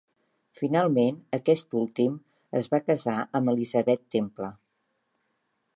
Finalment, aquest últim es va casar amb Elizabeth Temple.